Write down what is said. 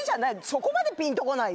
そこまでぴんとこない？